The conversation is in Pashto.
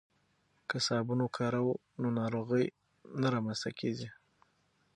که صابون وکاروو نو ناروغۍ نه رامنځته کیږي.